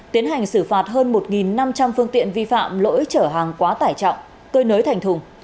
tiến hành xử phạt hơn một năm trăm linh phương tiện vi phạm lỗi chở hàng quá tải trọng cơi nới thành thùng